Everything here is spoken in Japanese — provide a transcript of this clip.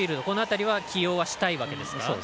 この辺りは起用したいわけですか。